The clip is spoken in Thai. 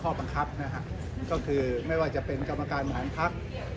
ข้อบังคับนะฮะก็คือไม่ว่าจะเป็นกรรมการบริหารพัก